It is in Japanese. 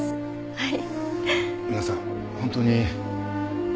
はい。